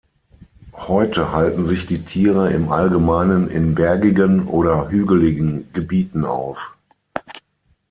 Heute halten sich die Tiere im Allgemeinen in bergigen oder hügeligen Gebieten auf.